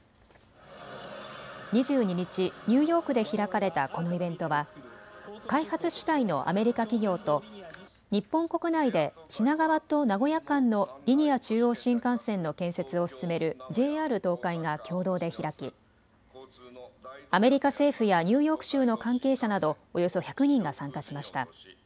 ２２日、ニューヨークで開かれたこのイベントは開発主体のアメリカ企業と日本国内で品川と名古屋間のリニア中央新幹線の建設を進めるＪＲ東海が共同で開きアメリカ政府やニューヨーク州の関係者などおよそ１００人が参加しました。